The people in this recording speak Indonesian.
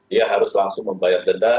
dia harus langsung membayar denda